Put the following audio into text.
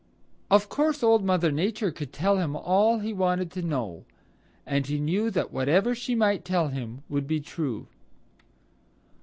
Of course Old Mother Nature could tell him all he wanted to know. And he knew that whatever she might tell him would be true.